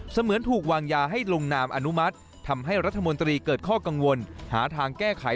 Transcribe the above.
เหมือนถูกวางยาให้ลงนามอนุมัติทำให้รัฐมนตรีเกิดข้อกังวลหาทางแก้ไข